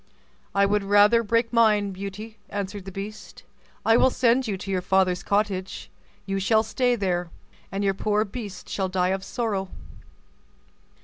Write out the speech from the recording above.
"I would rather break mine, Beauty," answered the beast; "I will send you to your father's cottage: you shall stay there, and your poor beast shall die of sorrow."